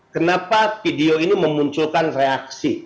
kenapa video ini memunculkan reaksi